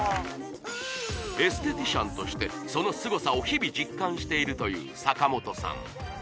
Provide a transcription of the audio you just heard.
エステティシャンとしてそのすごさを日々実感しているという坂本さん